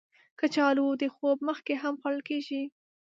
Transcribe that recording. کچالو د خوب مخکې هم خوړل کېږي